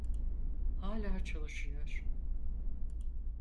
Hala çalışıyor.